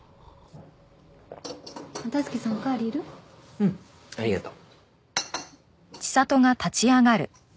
うんありがとう。